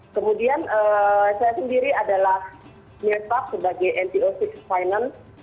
kemudian saya sendiri adalah milstab sebagai nto enam finance